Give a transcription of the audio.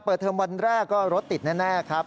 เทอมวันแรกก็รถติดแน่ครับ